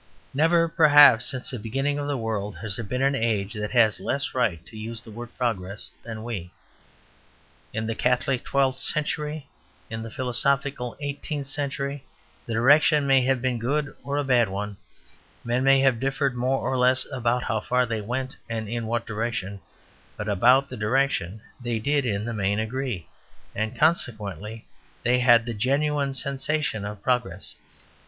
Never perhaps since the beginning of the world has there been an age that had less right to use the word "progress" than we. In the Catholic twelfth century, in the philosophic eighteenth century, the direction may have been a good or a bad one, men may have differed more or less about how far they went, and in what direction, but about the direction they did in the main agree, and consequently they had the genuine sensation of progress.